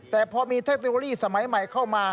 แต่พอมีเทคโนโลยีสมัยใหม่เข้ามา